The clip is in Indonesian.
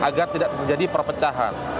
agar tidak menjadi perpecahan